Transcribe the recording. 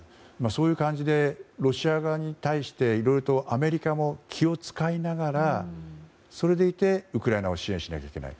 そういう感じでロシア側に対していろいろとアメリカも気を使いながらそれでいて、ウクライナを支援しなきゃいけない。